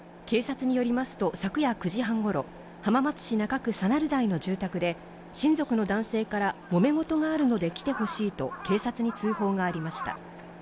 警察によりますと、昨夜９時半頃、浜松市中区佐鳴台の住宅で親族の男性から、もめ事があるので来てほしいと警察に通報がありました。